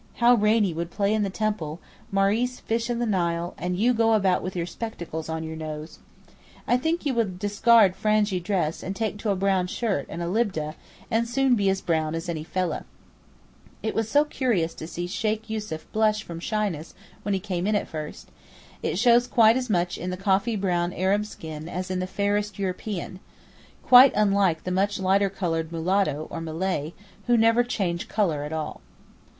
How Rainie would play in the temple, Maurice fish in the Nile, and you go about with your spectacles on your nose. I think you would discard Frangi dress and take to a brown shirt and a libdeh, and soon be as brown as any fellah. It was so curious to see Sheykh Yussuf blush from shyness when he came in first; it shows quite as much in the coffee brown Arab skin as in the fairest European—quite unlike the much lighter coloured mulatto or Malay, who never change colour at all.